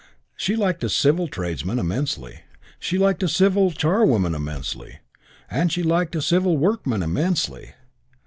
She liked "a civil tradesman" immensely; she liked a civil charwoman immensely; and she liked a civil workman immensely.